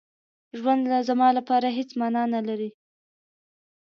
ژوند زما لپاره هېڅ مانا نه لري.